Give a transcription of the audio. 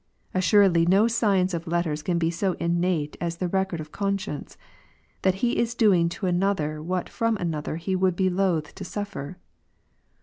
Assuredly no science of letters can be so innate as therecordof conscience, "that he isdoing to another what from another he wouldbe loath to suffer."